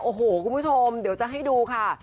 โอ้โหคุณผู้ชมเดี๋ยวจะให้ดูค่ะ